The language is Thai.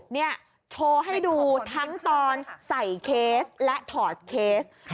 นี่โชว์ให้ดูทั้งตอนใส่เคสและถอดเคส